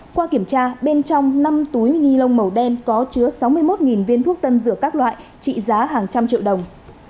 qua kiểm tra bên trong năm túi ni lông màu đen có chứa sáu mươi một viên thuốc tân dược các loại trị giá hàng trăm triệu đồng